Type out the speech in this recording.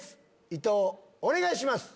伊東お願いします！